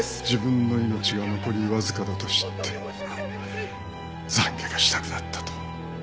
自分の命が残りわずかだと知って懺悔がしたくなったと。